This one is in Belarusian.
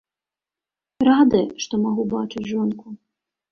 Рады, што магу бачыць жонку.